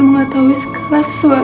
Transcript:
kau yang memberi kekuatan